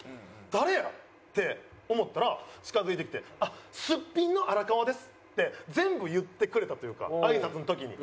誰や？って思ったら近付いてきて「すっぴんの荒川です」って全部言ってくれたというかあいさつの時に。